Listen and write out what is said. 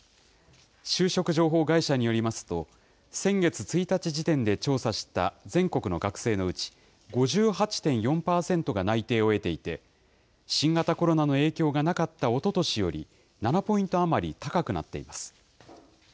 就職情報会社によりますと、先月１日時点で調査した全国の学生のうち、５８．４％が内定を得ていて、新型コロナの影響がなかったおととしより７ポイント余り高くなっています。